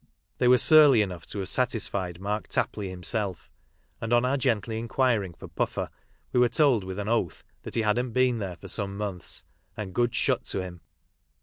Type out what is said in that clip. They were surly enough to have satisfied Mark Tapley himself, and on our gently inquiring for Purler we were told with an oath that he hadn't ; been there for some months, " and good shut to him."